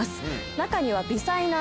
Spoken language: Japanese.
中には。